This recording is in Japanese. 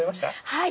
はい。